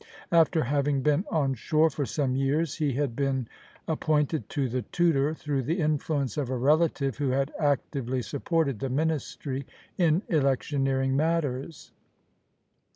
After having been on shore for some years he had been appointed to the Tudor through the influence of a relative, who had actively supported the ministry in electioneering matters.